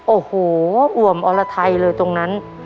โอ้โหอ่วมอรไทยเลยตรงนั้น